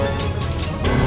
aku mau ke rumah